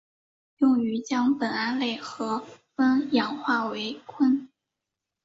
用于将苯胺类和酚氧化为醌。